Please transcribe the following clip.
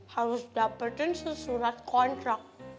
harus dapetin sesurat kontrak